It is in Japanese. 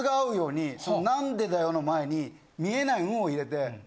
「何でだよ！」の前に見えない「ん」を入れて。